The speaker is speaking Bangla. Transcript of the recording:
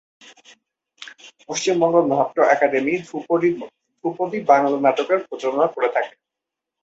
পশ্চিমবঙ্গ নাট্য আকাদেমি ধ্রুপদী বাংলা নাটকের প্রযোজনা করে থাকে।